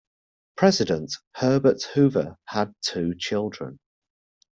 President Herbert Hoover had two children.